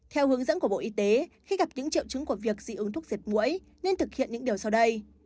theo hướng dẫn của bộ y tế khi gặp những triệu chứng của việc dị ứng thuốc diệt mũi nên thực hiện những điều sau đây